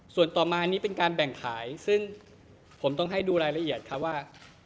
ส่วนต่อมานี้เป็นการแบ่งขายซึ่งผมต้องให้ดูรายละเอียดครับว่า